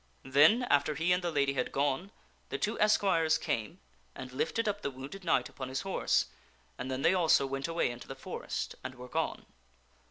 Then, after he and the lady had gone, the two esquires came and lifted up the wounded knight upon his horse, and then they also went away into the forest and were gone.